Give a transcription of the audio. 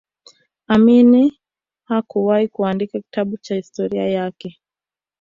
Amini hakuwahi kuandika kitabu cha historia yake